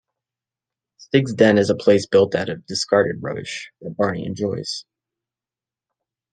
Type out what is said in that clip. Stig's den is a place built out of discarded rubbish, that Barney enjoys.